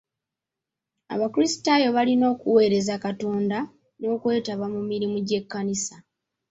Abakrisitaayo balina okuweereza Katonda n'okwetaba mu mirimu gy'ekkanisa.